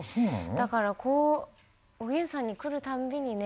だからこう「おげんさん」に来るたんびにね